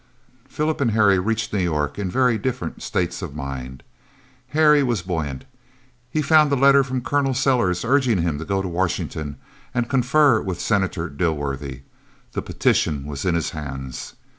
Phillip and Harry reached New York in very different states of mind. Harry was buoyant. He found a letter from Col. Sellers urging him to go to Washington and confer with Senator Dilworthy. The petition was in his hands.